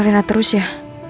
rena terus ya